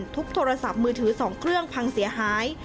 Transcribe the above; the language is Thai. โทรศัพท์มือถือ๒เครื่องพังเสียหาย